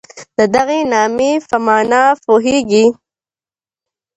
د دغي نامې په مانا پوهېږئ؟